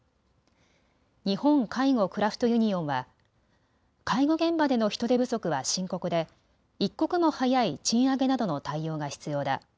日本介護クラフトユニオンは介護現場での人手不足は深刻で一刻も早い賃上げなどの対応が必要だ。